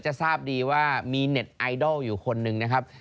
ทราบดีว่ามีเน็ตไอดอลอยู่คนหนึ่งนะครับ